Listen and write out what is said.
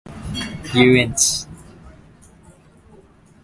遊園地